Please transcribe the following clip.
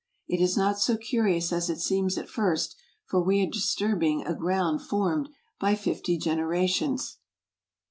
It is not so curious as it seems at first, for we are disturbing a ground formed by fifty generations.